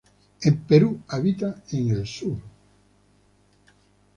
En Perú habita en el sur.